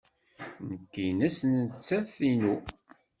Nekk ines nettat inu.